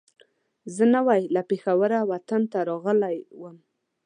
زه نوی له پېښوره وطن ته راغلی وم.